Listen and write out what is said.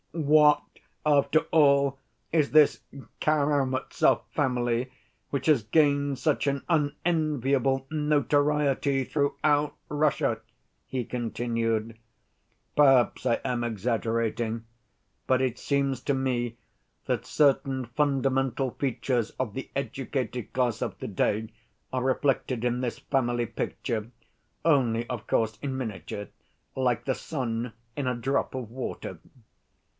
"What, after all, is this Karamazov family, which has gained such an unenviable notoriety throughout Russia?" he continued. "Perhaps I am exaggerating, but it seems to me that certain fundamental features of the educated class of to‐day are reflected in this family picture—only, of course, in miniature, 'like the sun in a drop of water.